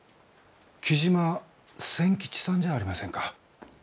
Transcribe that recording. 雉真千吉さんじゃありませんか？